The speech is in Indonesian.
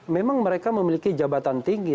memang mereka memiliki jabatan tinggi